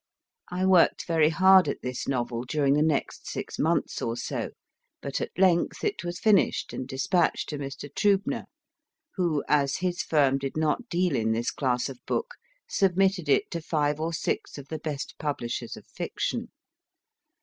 I worked very hard at this novel during the next six months or so, but at length it was finished and despatched to Mr. Triibner, who, as his firm did not deal in this class of book, submitted it to five or six of the best publishers of fiction.